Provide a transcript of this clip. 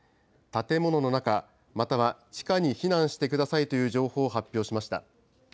建物の中、または地下に避難してくださいという情報を発表しました。